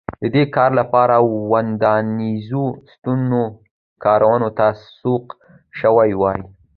د دې کار لپاره ودانیزو ستنو کارونو ته سوق شوي وای